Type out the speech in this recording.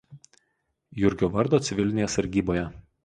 Jurgio vardo civilinėje sargyboje.